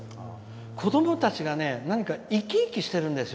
子どもたちがね、何か生き生きしてるんですよ。